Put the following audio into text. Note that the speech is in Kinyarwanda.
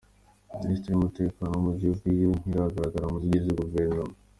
Minisiteri y’umutekano mu gihugu yo ntigaragara mu zigize guverinoma.